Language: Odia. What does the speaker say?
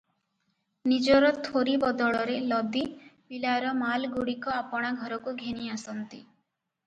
ନିଜର ଥୋରି ବଳଦରେ ଲଦି ପିଲାର ମାଲଗୁଡିକ ଆପଣା ଘରକୁ ଘେନି ଆସନ୍ତି ।